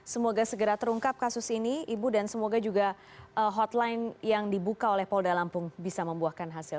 semoga segera terungkap kasus ini ibu dan semoga juga hotline yang dibuka oleh polda lampung bisa membuahkan hasil